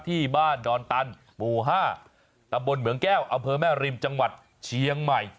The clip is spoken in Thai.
ที่บ้านดอนตันหมู่๕ตำบลเหมืองแก้วอำเภอแม่ริมจังหวัดเชียงใหม่